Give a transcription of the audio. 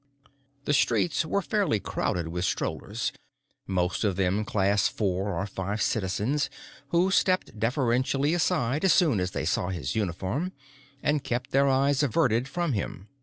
The streets were fairly crowded with strollers most of them Class Four or Five citizens who stepped deferentially aside as soon as they saw his uniform, and kept their eyes averted from him.